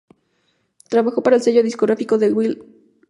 Trabajó para el sello discográfico de Lil Wayne, Young Money Entertainment.